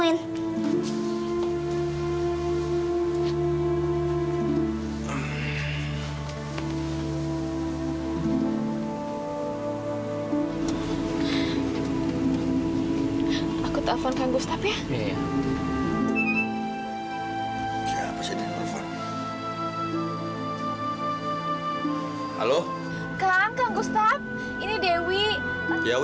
udah ngelihat ya